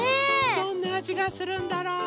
どんなあじがするんだろう？